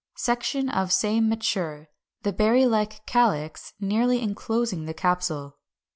367. Section of same mature, the berry like calyx nearly enclosing the capsule.